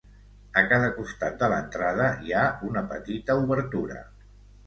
A cada costat de l'entrada, hi ha una petita obertura.